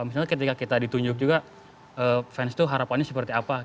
misalnya ketika kita ditunjuk juga fans itu harapannya seperti apa